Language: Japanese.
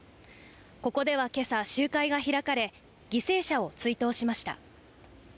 ここでは今朝、集会が開かれ、犠牲者を追悼しました。